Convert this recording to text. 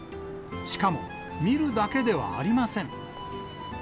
しかも見るだけではありません。